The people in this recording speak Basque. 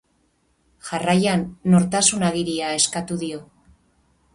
Jarraian, nortasun agiria eskatu dio.